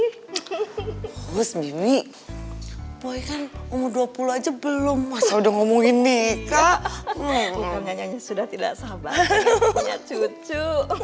hai terus bibi boy kan umur dua puluh aja belum masa udah ngomongin nih kak sudah tidak sabar cucu